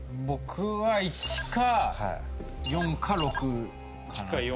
僕は１か４か６かな